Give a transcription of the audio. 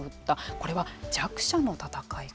これは弱者の戦い方。